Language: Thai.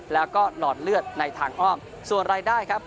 แล้วก็หลอดเลือดในทางอ้อมส่วนรายได้ครับ